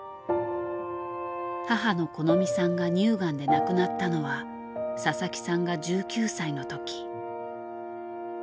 母のこのみさんが乳がんで亡くなったのは佐々木さんが１９歳のとき。